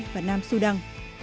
và nam sudan